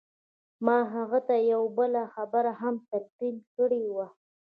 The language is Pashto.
ما هغه ته یوه بله خبره هم تلقین کړې وه